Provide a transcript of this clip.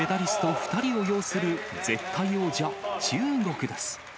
２人を擁する、絶対王者、中国です。